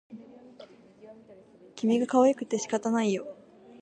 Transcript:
君がかわいくて仕方がないよ